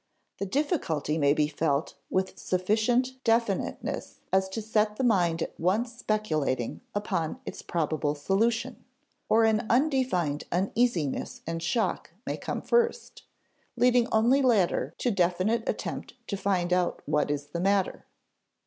The difficulty may be felt with sufficient definiteness as to set the mind at once speculating upon its probable solution, or an undefined uneasiness and shock may come first, leading only later to definite attempt to find out what is the matter.